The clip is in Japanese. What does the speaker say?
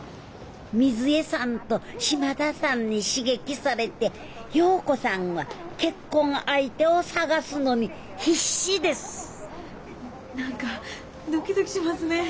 みづえさんと島田さんに刺激されて容子さんは結婚相手を探すのに必死です何かドキドキしますね。